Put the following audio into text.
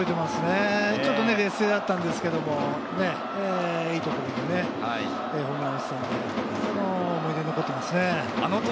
ちょっと劣勢だったんですけれど、いいところでホームランを打てたので思い出になっています。